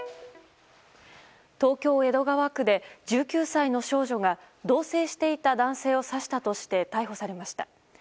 東京・江戸川区で１９歳の少女が同棲していた男性を刺したとして逮捕されました。